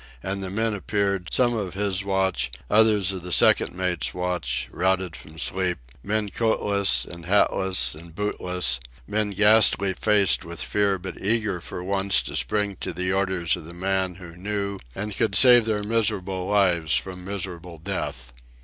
And the men appeared, some of his watch, others of the second mate's watch, routed from sleep—men coatless, and hatless, and bootless; men ghastly faced with fear but eager for once to spring to the orders of the man who knew and could save their miserable lives from miserable death.